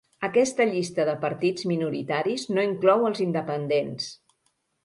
Aquesta llista de partits minoritaris no inclou els independents.